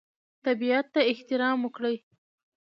طبیعت ته احترام وکړئ.